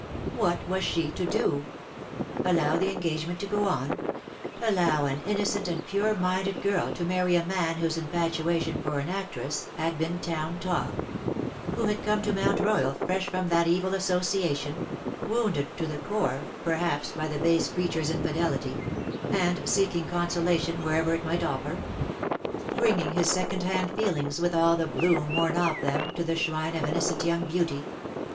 What was she to do ? Allow the engagement to go on ?— allow an innocent and pure mmfled girl to marry a man whose infatuation for an actress had beeu II 2 244 LE SECRET DE POLICHINELLE. town talk ; who had come to Mount Royal fresh from that evil association — wounded to the core, per haps, by the base creature^s infidelity — and seeking consolation wherever it might offer; bringing his second hand feeliugs, with all the bloom worn off them, to the shrine of innocent young beauty